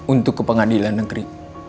untuk ke pengadilan negeri